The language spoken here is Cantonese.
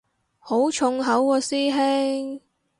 好重口喎師兄